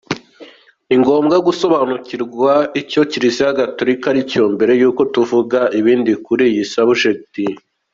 Ni ngombwa gusobanukirwa icyo Kiliziya Gatulika iricyo mbere yuko tuvuga ibindi kuri iyi subject.